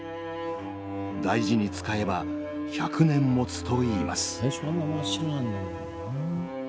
大事に使えば１００年もつといいます。